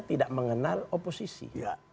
tidak mengenal oposisi